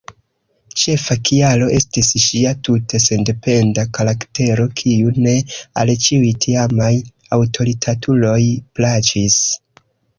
Ĉefa kialo estis ŝia tute sendependa karaktero, kiu ne al ĉiuj tiamaj aŭtoritatuloj plaĉis.